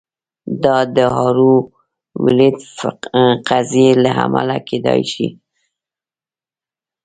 دا د هارو ویلډ قضیې له امله کیدای شي